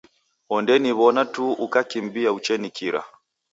Ondaniw'ona tu ukakimbia uchenikira.